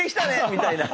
みたいな